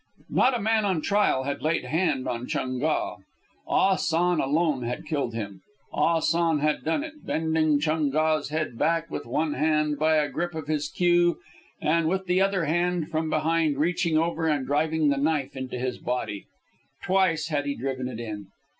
Not a man on trial had laid hand on Chung Ga. Ah San alone had killed him. Ah San had done it, bending Chung Ga's head back with one hand by a grip of his queue, and with the other hand, from behind, reaching over and driving the knife into his body. Twice had he driven it in.